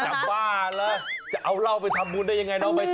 จับบ้าแล้วจะเอาเหล้าไปทำบุญได้ยังไงเอาไปต่อ